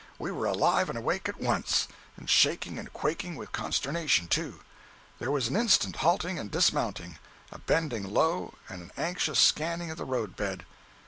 We were alive and awake at once—and shaking and quaking with consternation, too. There was an instant halting and dismounting, a bending low and an anxious scanning of the road bed.